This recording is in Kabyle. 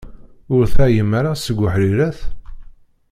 Ur teɛyim ara seg uḥṛiṛet?